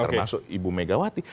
termasuk ibu megawati